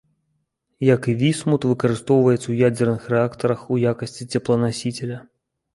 Як і вісмут выкарыстоўваецца ў ядзерных рэактарах у якасці цепланасіцеля.